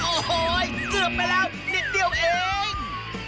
โอ้โหเกือบไปแล้วนิดเดียวเอง